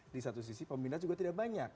di satu sisi peminat juga tidak banyak